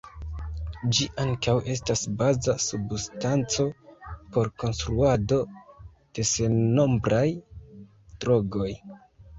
Ĝi ankaŭ estas baza substanco por konstruado de sennombraj drogoj.